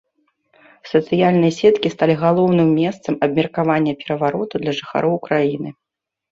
Сацыяльныя сеткі сталі галоўным месца абмеркавання перавароту для жыхароў краіны.